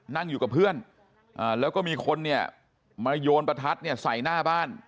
นั่งอยู่กับเพื่อนแล้วก็มีคนเนี่ยมาโยนประทัดเนี่ยใส่หน้าบ้าน